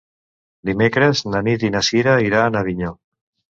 Dimecres na Nit i na Cira iran a Avinyó.